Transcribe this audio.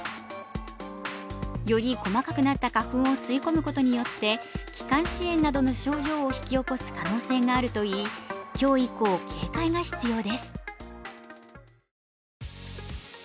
より細かくなった花粉を吸い込むことによって気管支炎などの症状を引き起こす可能性があるといい、今日以降、警戒が必要です。